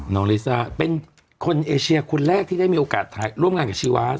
ลิซ่าเป็นคนเอเชียคนแรกที่ได้มีโอกาสร่วมงานกับชีวาส